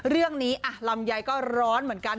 เรื่องนี้ลำไยก็ร้อนเหมือนกัน